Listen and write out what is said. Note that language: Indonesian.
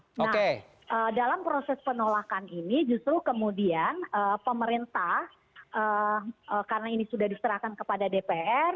nah dalam proses penolakan ini justru kemudian pemerintah karena ini sudah diserahkan kepada dpr